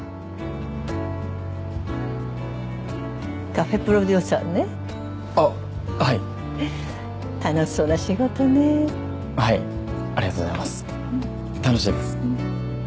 カフェプロデューサーねあっはい楽しそうな仕事ねはいありがとうございます楽しいです